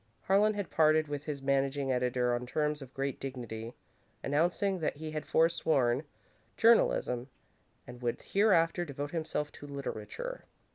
Harlan had parted with his managing editor on terms of great dignity, announcing that he had forsworn journalism and would hereafter devote himself to literature.